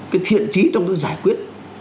cái thiện trí trong cái giải quyết